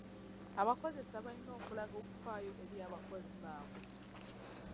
Abakozesa balina okulaga okufaayo eri abakozi baabwe.